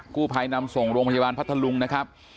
กู้ภัยนำส่งโรงพยาบาลพัทธลุงนะครับ